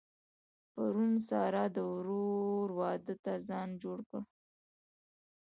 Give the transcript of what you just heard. پرون سارا د ورور واده ته ځان جوړ کړ.